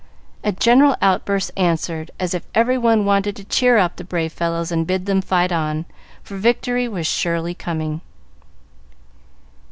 a general outburst answered, as if every one wanted to cheer up the brave fellows and bid them fight on, for victory was surely coming.